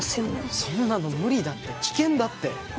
そんなの無理だって危険だって。